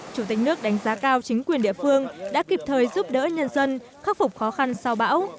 chủ tịch nước đánh giá cao chính quyền địa phương đã kịp thời giúp đỡ nhân dân khắc phục khó khăn sau bão